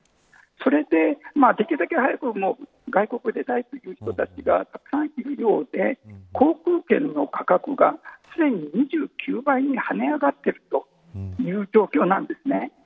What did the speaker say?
できるだけ早く外国に出たいという人たちがたくさんいるようで航空券の価格がすでに２９倍に跳ね上がっているという状況なんですね。